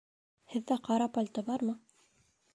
Һеҙҙә ҡара пальто бармы?